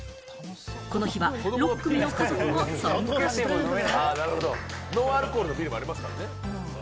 この日は６組の家族が参加していた。